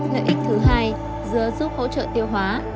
lợi ích thứ hai giờ giúp hỗ trợ tiêu hóa